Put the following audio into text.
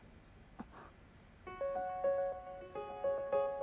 あっ。